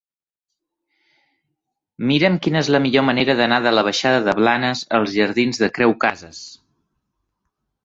Mira'm quina és la millor manera d'anar de la baixada de Blanes als jardins de Creu Casas.